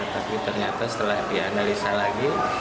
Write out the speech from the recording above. tapi ternyata setelah dianalisa lagi